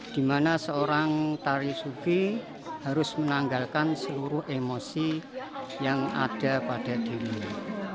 di mana seorang tari sufi harus menanggalkan seluruh emosi yang ada pada dirinya